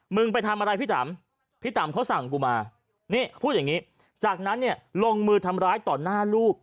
ไปทำอะไรพี่ต่ำพี่ตำเขาสั่งกูมานี่พูดอย่างนี้จากนั้นเนี่ยลงมือทำร้ายต่อหน้าลูก